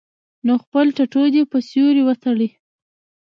نو خپل ټټو دې پۀ سيوري وتړي -